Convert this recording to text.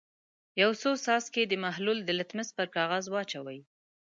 یو څو څاڅکي د محلول د لتمس پر کاغذ واچوئ.